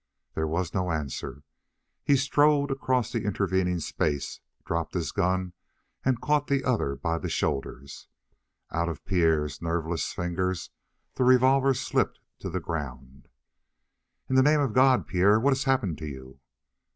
There was no answer. He strode across the intervening space, dropped his gun and caught the other by the shoulders. Out of Pierre's nerveless fingers the revolver slipped to the ground. "In the name of God, Pierre, what has happened to you?"